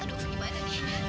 aduh gimana nih